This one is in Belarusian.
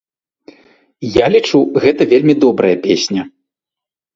Я лічу, гэта вельмі добрая песня.